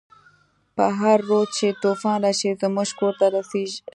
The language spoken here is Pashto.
په هر رود چی توفان راشی، زمونږ کور ته راسیخیږی